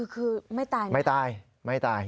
คือไม่ตายนะครับไม่ตาย